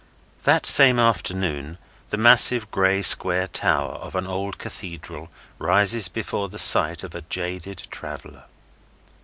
That same afternoon, the massive gray square tower of an old Cathedral rises before the sight of a jaded traveller.